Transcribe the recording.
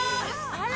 あら！